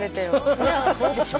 そりゃそうでしょ。